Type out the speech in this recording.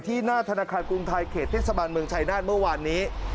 ที่หน้าธนาคารกรุงไทยเขตที่สมันเมืองชายนาฬ์เมื่อวานนี้